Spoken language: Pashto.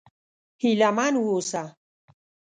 هيله من و اوسه!